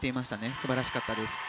素晴らしかったです。